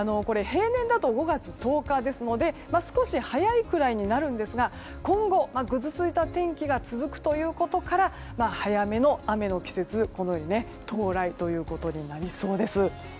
平年だと５月１０日ですので少し早いくらいになるんですが今後、ぐずついた天気が続くということから早めの雨の季節到来となりそうです。